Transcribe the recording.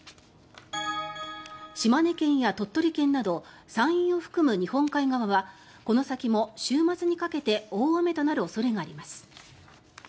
島根県や鳥取県など山陰を含む日本海側はこの先も週末にかけて大雨となる恐れがあります。